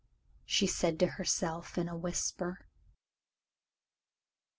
she said to herself in a whisper.